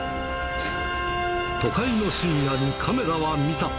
都会の深夜にカメラは見た。